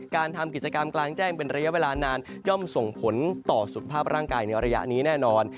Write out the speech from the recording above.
การทำกิจกรรมกลางแจ้งเป็นระยะเวลานานย่อมส่งผลต่อสุขภาพร่างกายในระยะนี้แน่นอน